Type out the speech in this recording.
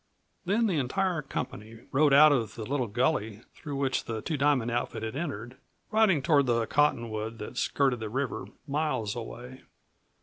Then the entire company rode out of the little gully through which the Two Diamond outfit had entered, riding toward the cottonwood that skirted the river miles away.